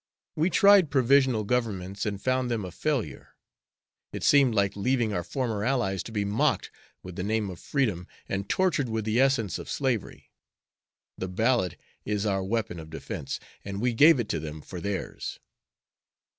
We tried provisional governments and found them a failure. It seemed like leaving our former allies to be mocked with the name of freedom and tortured with the essence of slavery. The ballot is our weapon of defense, and we gave it to them for theirs."